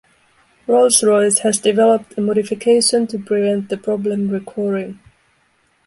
Rolls-Royce has developed a modification to prevent the problem recurring.